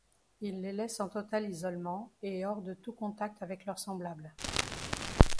Il les laisse en total isolement et hors de tout contact avec leurs semblables.